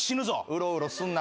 うろうろすんな。